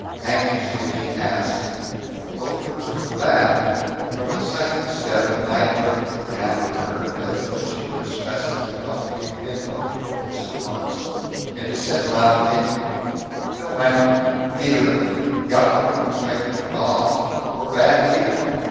Anxiously she asked, "Both rooms are with bath?" From the second step the night clerk looked down at her as though she were a specimen that ought to be pinned on the corks at once, and he said loudly, "No, ma'am. Neither of 'em. Got no rooms vacant with bawth, or bath either!